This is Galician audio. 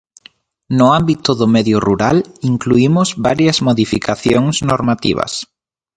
No ámbito do medio rural, incluímos varias modificacións normativas.